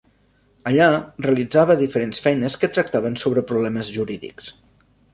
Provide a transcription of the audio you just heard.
Allà realitzava diferents feines que tractaven sobre problemes jurídics.